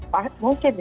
mungkin ya mungkin saja